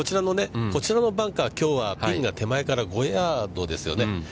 こちらのバンカー、きょうはピンが手前から５ヤードですよね。